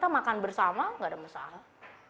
makan bersama gak ada masalah